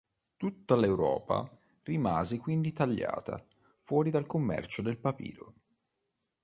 Tutta l'Europa rimase quindi tagliata fuori dal commercio del papiro.